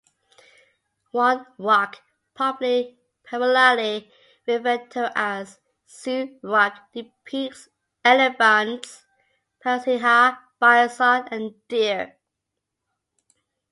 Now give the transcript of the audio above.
One rock, popularly referred to as "Zoo Rock", depicts elephants, Barasingha, bison and deer.